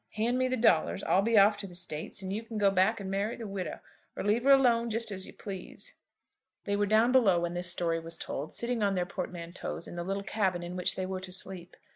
Hand me the dollars. I'll be off to the States; and you can go back and marry the widow, or leave her alone, just as you please." They were down below when this story was told, sitting on their portmanteaus in the little cabin in which they were to sleep.